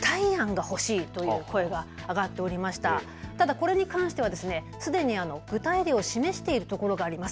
これに関してはすでに具体例を示している所があります。